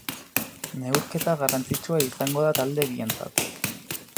Neurketa garrantzitsua izango da talde bientzat.